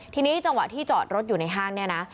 ทีนี้จังหวะที่จอดรถอยู่ในห้าง